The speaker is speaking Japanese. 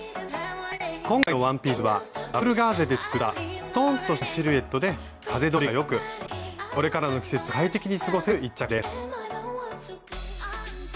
今回のワンピースはダブルガーゼで作ったストンとしたシルエットで風通りがよくこれからの季節を快適に過ごせる一着です。